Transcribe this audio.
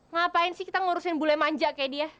ngapain sih kita ngurusin bule manja kayak dia